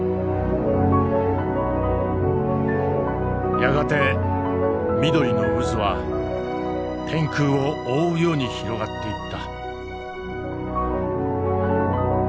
やがて緑の渦は天空を覆うように広がっていった。